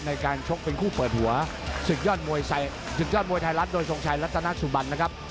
ในการชกเป็นคู่เปิดหัวสุดยอดมวยไทรัสโดยทรงชัยรัตนาสุบันนะครับ